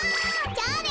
じゃあね。